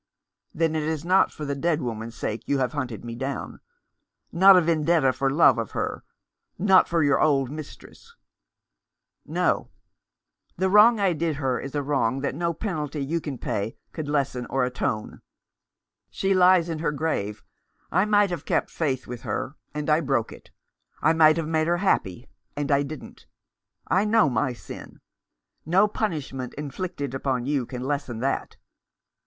" Then it is not for the dead woman's sake you have hunted me down — not a vendetta for love of her, not for your old mistress ?"" No . The wrong I did her is a wrong that no, penalty you can pay could lessen or atone. She 379 Rough Justice. lies in her grave. I might have kept faith with her, and I broke it. I might have made her happy, and I didn't. I know my sin. No punishment inflicted upon you can lessen that.